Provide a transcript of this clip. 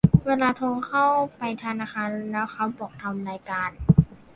เวลาโทรเข้าไปธนาคารแล้วเขาบอก "ทำรายการ"